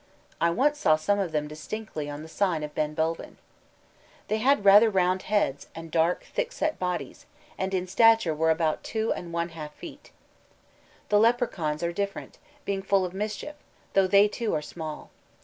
I once saw some of them distinctly on the side of Ben Bulbin. They had rather round heads and dark thick set bodies, and in stature were about two and one half feet. The Leprechauns are different, being full of mischief, though they, too, are small.